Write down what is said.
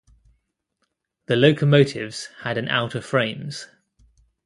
The locomotives had an outer frames.